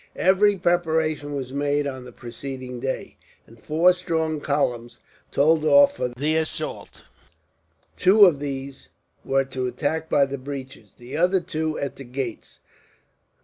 Every preparation was made on the preceding day, and four strong columns told off for the assault. Two of these were to attack by the breaches, the other two at the gates.